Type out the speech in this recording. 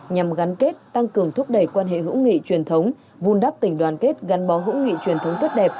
nhằm gắn kết tăng cường thúc đẩy quan hệ hữu nghị truyền thống vun đắp tình đoàn kết gắn bó hữu nghị truyền thống tốt đẹp